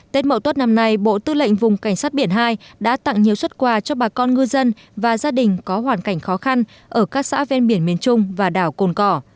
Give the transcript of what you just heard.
tết mậu tuất năm nay bộ tư lệnh vùng cảnh sát biển hai đã tặng nhiều xuất quà cho bà con ngư dân và gia đình có hoàn cảnh khó khăn ở các xã ven biển miền trung và đảo cồn cỏ